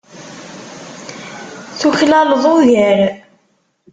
Tuklaleḍ ugar.